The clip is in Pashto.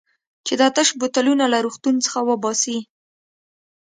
چې دا تش بوتلونه له روغتون څخه وباسي.